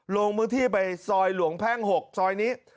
ลงมือที่ไปซอยหลวงแพงหกซอยนี้